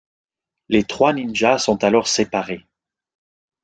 Les trois ninjas sont alors séparés.